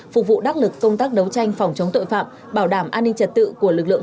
phục vụ đắc lực công tác đấu tranh phòng chống tội phạm bảo đảm an ninh trật tự của lực lượng